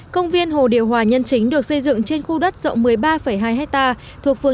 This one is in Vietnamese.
công viên hồ điều hòa nhân chính được xây dựng trên khu đất rộng một mươi ba hai hectare thuộc phương